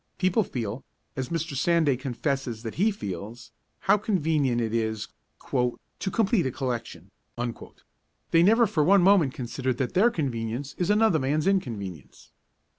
People feel, as Mr. Sanday confesses that he feels, how convenient it is 'to complete a collection'; they never for one moment consider that their convenience is another man's inconvenience.